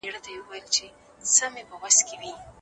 لیکوالانو په خپلو کتابونو کي د ساینس د ګټو یادونه کړې ده.